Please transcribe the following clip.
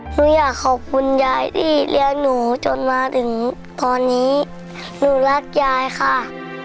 หนูอยากขอบคุณยายที่เลี้ยงหนูจนมาถึงตอนนี้หนูรักยายค่ะ